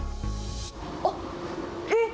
あっ、えっ？